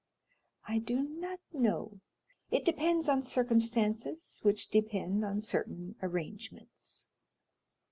"I do not know; it depends on circumstances which depend on certain arrangements."